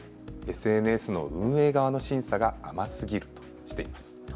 ＳＮＳの運営側の審査が甘すぎるとしています。